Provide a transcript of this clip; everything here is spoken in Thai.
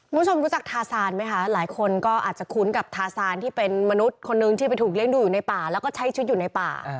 คุณผู้ชมรู้จักทาซานไหมคะหลายคนก็อาจจะคุ้นกับทาซานที่เป็นมนุษย์คนนึงที่ไปถูกเลี้ยงดูอยู่ในป่าแล้วก็ใช้ชุดอยู่ในป่า